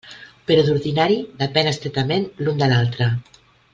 Però d'ordinari depenen estretament l'un de l'altre.